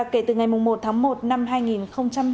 kể từ ngày một tháng một